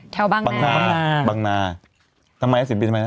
แถวบังนาบังนาทำไมศิลปินทำไมนะ